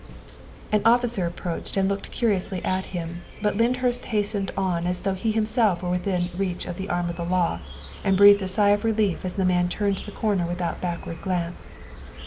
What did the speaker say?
An officer approached and looked curiously at him, but Lyndhurst hastened on as though he himself were within reach of the arm of the law, and breathed a sigh of relief as the man turned the corner without a back ward glance.